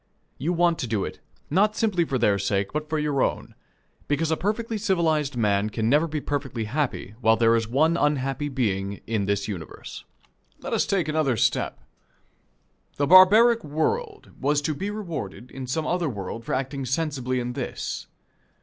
You want to do it, not simply for their sake, but for your own; because a perfectly civilized man can never be perfectly happy while there is one unhappy being in this universe. Let us take another step. The barbaric world was to be rewarded in some other world for acting sensibly in this.